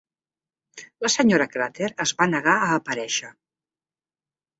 La senyora Crater es va negar a aparèixer.